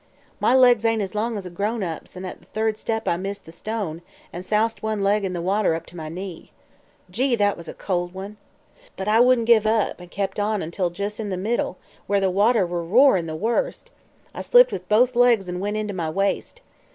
My legs ain't as long as a grown up's and at the third step I missed the stone an' soused one leg in the water up to my knee. Gee! that was a cold one. But I wouldn't give up, an' kep' on until jus' in the middle, where the water were roarin' the worst, I slipped with both legs and went in to my waist.